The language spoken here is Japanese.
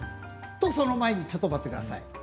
その前にちょっと待ってください